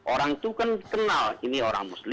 orang itu kan kenal ini orang muslim